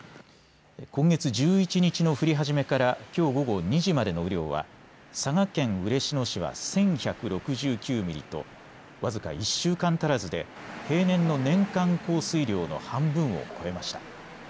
今月１１日の降り始めからきょう午後２時までの雨量は佐賀県嬉野市は１１６９ミリと僅か１週間足らずで平年の年間降水量の半分を超えました。